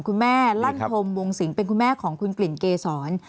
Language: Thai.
คุณแม่ลั่นธมวงสิงเป็นคุณแม่ของคุณกลิ่นเกษร